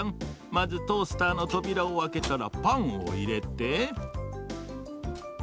まずトースターのとびらをあけたらパンをいれて。